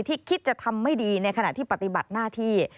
คิดจะทำไม่ดีในขณะที่ปฏิบัติหน้าที่